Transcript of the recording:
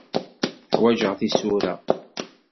Ḥwajeɣ tisura.